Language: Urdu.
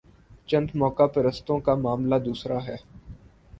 چند موقع پرستوں کا معاملہ دوسرا ہے۔